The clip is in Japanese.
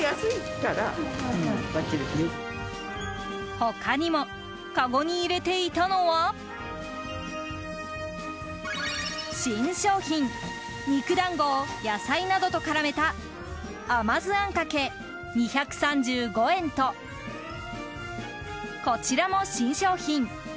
他にもかごに入れていたのは新商品、肉団子を野菜などと絡めた甘酢あんかけ、２３５円とこちらも新商品。